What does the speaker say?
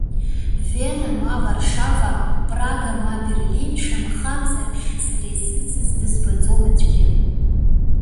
Вена ма Варшава, Прага ма Берлин шамахамзар, сара исыцыз, дызбаӡом аӡәгьы.